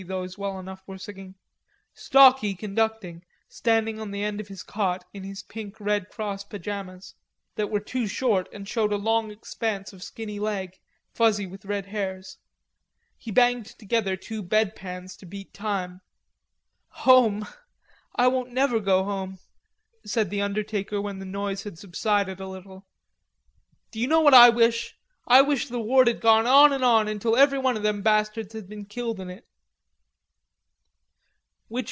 Those well enough were singing, Stalky conducting, standing on the end of his cot in his pink Red Cross pajamas, that were too short and showed a long expanse of skinny leg, fuzzy with red hairs. He banged together two bed pans to beat time. "Home.... I won't never go home," said the undertaker when the noise had subsided a little. "D'you know what I wish? I wish the war'd gone on and on until everyone of them bastards had been killed in it."